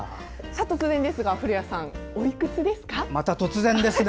突然ですが、古谷さんおいくつですか？